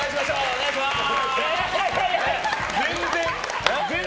お願いします。